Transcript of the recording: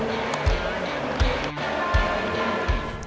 tim nas basket putri